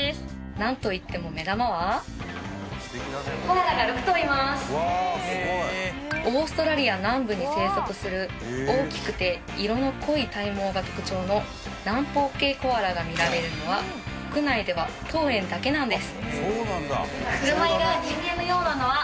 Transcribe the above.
なんといっても目玉はオーストラリア南部に生息する大きくて色の濃い体毛が特徴の南方系コアラが見られるのは国内では当園だけなんです